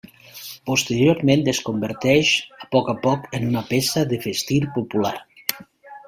Posteriorment, es converteix a poc a poc en una peça de vestir popular.